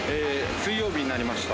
水曜日になりました。